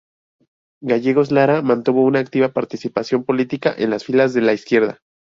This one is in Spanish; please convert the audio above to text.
Gallegos Lara mantuvo una activa participación política en las filas de la izquierda.